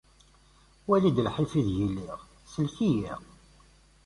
Wali-d lḥif ideg lliɣ, sellek-iyi.